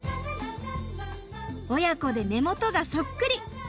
親子で目元がそっくり！